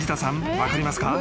分かりますか？］